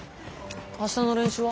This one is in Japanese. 明日の練習は？